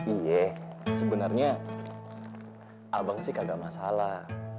iya sebenarnya abang sih kagak masalah